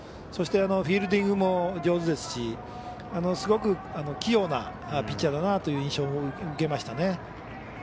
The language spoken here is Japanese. そして、フィールディングも上手ですしすごく器用なピッチャーだなという印象を受けましたね。